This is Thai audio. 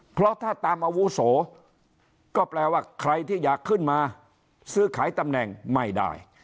เพราะถ้าตามอาวุโสก็แปลว่าใครที่อยากขึ้นมาซื้อขายตำแหน่งไม่ได้